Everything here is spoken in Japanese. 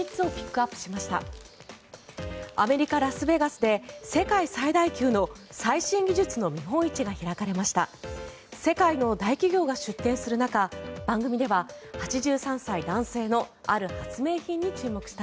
アメリカ・ラスベガスで世界最大級の最新技術の見本市が開かれました。